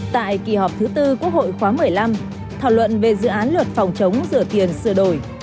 tại kỳ họp thứ tư quốc hội khóa một mươi năm thảo luận về dự án luật phòng chống rửa tiền sửa đổi